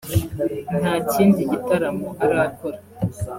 nta kindi gitaramo arakora